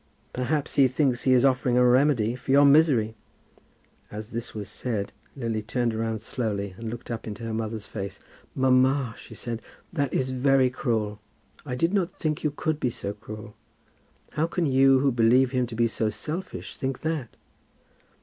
"Perhaps he thinks he is offering a remedy for your misery." As this was said Lily turned round slowly and looked up into her mother's face. "Mamma," she said, "that is very cruel. I did not think you could be so cruel. How can you, who believe him to be so selfish, think that?"